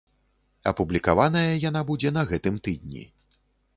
Апублікаваная яна будзе на гэтым тыдні.